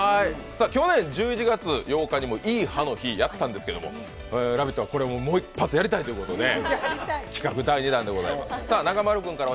去年１１月８日にも、いい歯の日やったんですけど「ラヴィット！」は、これをもう一発やりたいということで企画第２弾でございます。